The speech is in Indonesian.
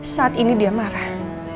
saat ini dia marah